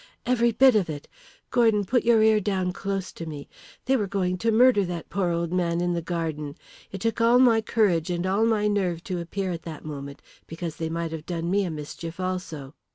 "Every bit of it. Gordon, put your ear down close to me. They were going to murder that poor old man in the garden. It took all my courage and all my nerve to appear at that moment, because they might have done me a mischief also."